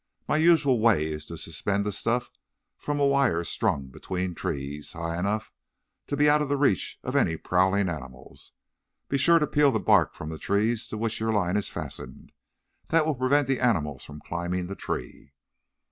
My usual way is to suspend the stuff from a wire strung between trees, high enough to be out of the reach of any prowling animals. Be sure to peel the bark from the trees to which your line is fastened. That will prevent the animals from climbing the tree."